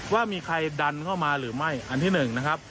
ว่ามีใครดันเข้ามาหรือไม่อันที่หนึ่งนะครับ